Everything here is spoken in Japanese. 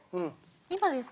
今ですか？